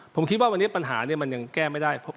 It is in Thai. ผมคิดว่าวันนี้ปัญหาเนี่ยมันยังแก้ไม่ได้